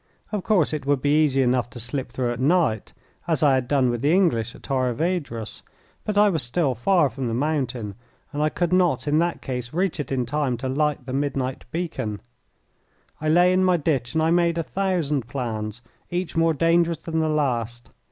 Of course, it would be easy enough to slip through at night, as I had done with the English at Torres Vedras, but I was still far from the mountain and I could not in that case reach it in time to light the midnight beacon. I lay in my ditch and I made a thousand plans, each more dangerous than the last.